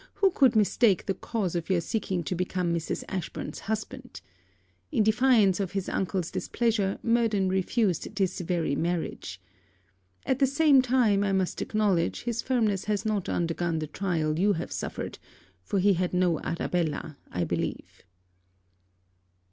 who could mistake the cause of your seeking to become Mrs. Ashburn's husband? In defiance of his uncle's displeasure, Murden refused this very marriage. At the same time, I must acknowledge, his firmness has not undergone the trial you have suffered; for he had no Arabella, I believe.'